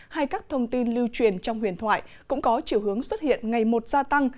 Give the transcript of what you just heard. hay các thông tin lưu truyền trong huyền thoại cũng có chiều hướng xuất hiện ngày một gia tăng